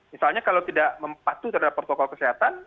misalnya kalau tidak patuh terhadap protokol kesehatan